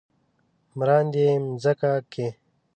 مراندې يې مځکه کې ،